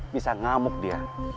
bisa ngamuk dia